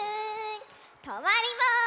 とまります！